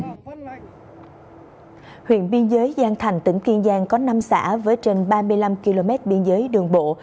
huyện biên giới giang thành tỉnh kiên giang có năm xã với trên ba mươi năm km biên giới đường bộ